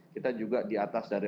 kita juga di atas dari